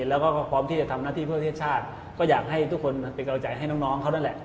แล้วก็พร้อมที่จะทำหน้าที่เพื่อประเทศชาติก็อยากให้ทุกคนเป็นกำลังใจให้น้องเขานั่นแหละ